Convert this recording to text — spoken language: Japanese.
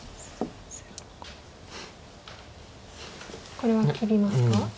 これは切りますか？